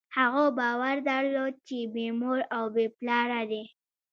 هغه باور درلود، چې بېمور او بېپلاره دی.